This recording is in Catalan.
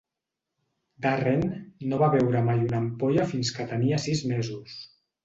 Darren no va veure mai una ampolla fins que tenia sis mesos.